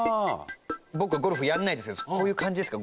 僕はゴルフやらないですけどこういう感じですか？